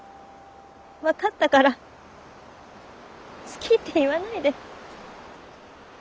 分かったから「好き」って言わないで。